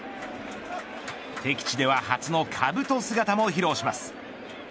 敵地では初のかぶと姿も披露します。